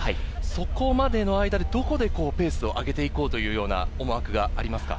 そこまでの間でどこでペースを上げていこうというような思惑がありますか？